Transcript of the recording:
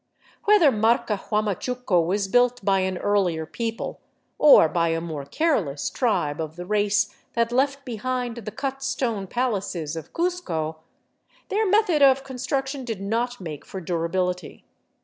Whether Marca Huamachuco was built by an earlier people, or by a more careless tribe of the race that left be hind the cut stone palaces of Cuzco, their method of construction did not make for durability.